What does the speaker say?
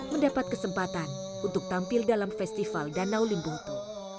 mendapat kesempatan untuk tampil dalam festival danau limbungtu